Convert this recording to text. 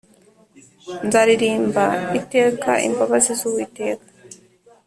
Nzaririmba iteka imbabazi z Uwiteka